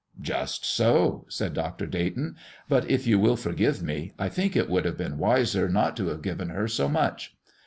"Just so," said Dr. Dayton; "but, if you will forgive me, I think it would have been wiser not to have given her so much.